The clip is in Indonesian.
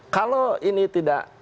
kalau ini tidak